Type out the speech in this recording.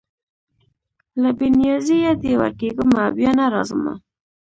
له بې نیازیه دي ورکېږمه بیا نه راځمه